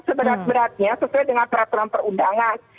seberat beratnya sesuai dengan peraturan perundangan